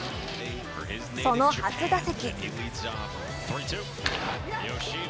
その初打席。